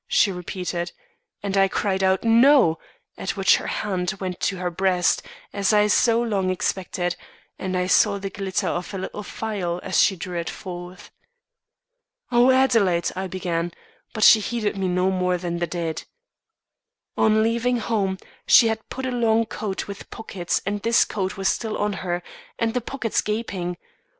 she repeated, and I cried out 'No'; at which her hand went to her breast, as I had so long expected, and I saw the glitter of a little phial as she drew it forth. "'Oh, Adelaide!' I began; but she heeded me no more than the dead. "On leaving home, she had put on a long coat with pockets and this coat was still on her, and the pockets gaping.